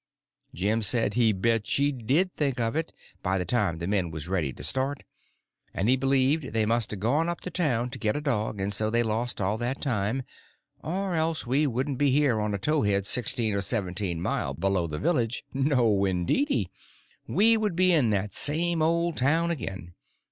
Jim said he bet she did think of it by the time the men was ready to start, and he believed they must a gone up town to get a dog and so they lost all that time, or else we wouldn't be here on a towhead sixteen or seventeen mile below the village—no, indeedy, we would be in that same old town again.